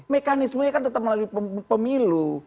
mekanismenya kan tetap melalui pemilu